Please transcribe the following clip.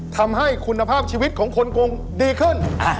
ทำให้คุณภาพชีวิตของคนกรุงดีขึ้น